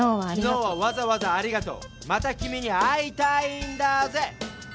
「昨日はわざわざありがとうまた君に会いたいんだＺＥ」。